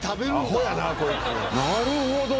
「なるほど」